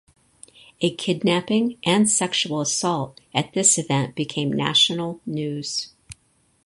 A kidnapping and sexual assault at this event became national news.